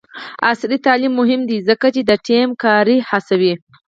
عصري تعلیم مهم دی ځکه چې د ټیم کار هڅوي.